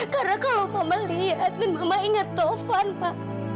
karena kalau mama lihat dan mama ingat taufan pa